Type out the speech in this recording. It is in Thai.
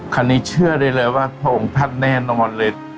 คราวนี้เชื่อได้เลยว่าพระองค์ท่านแน่นอนเลย